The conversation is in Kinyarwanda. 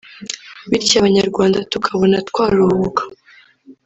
bityo abanyarwanda tukabona twaruhuka